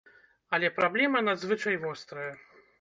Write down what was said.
Але праблема надзвычай вострая.